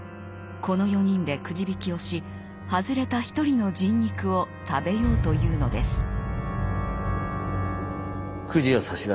この４人でくじ引きをし外れた１人の人肉を食べようというのです。